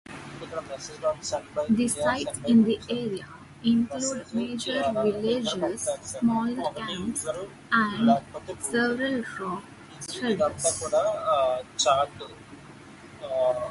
The sites in the area include major villages, smaller camps and several rock shelters.